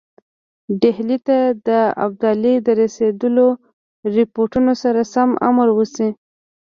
ډهلي ته د ابدالي د رسېدلو رپوټونو سره سم امر وشي.